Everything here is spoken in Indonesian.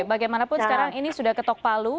bagaimanapun sekarang ini sudah ketok palu